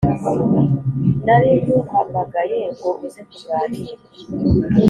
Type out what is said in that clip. naringuhamagaye ngo uze tuganire”